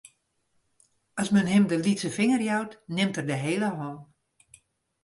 As men him de lytse finger jout, nimt er de hiele hân.